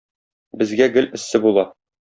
Безгә гел эссе була.